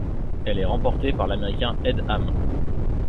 Elle est remportée par l'Américain Ed Hamm.